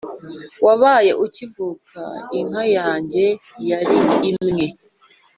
Wabaye ukivuka, Inka yanjye yari imwe